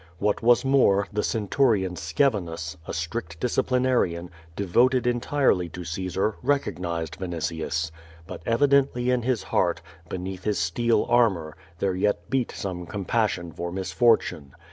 What was more, the Centurion Scevi nus, a strict disciplinarian, devoted entirely to Caesar, recog nized Vinitius. But evidently in his heart, beneath his steel armor, there yet beat some compassion for misfortune.